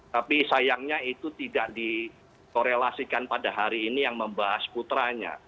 tapi sayangnya itu tidak dikorelasikan pada hari ini yang membahas putranya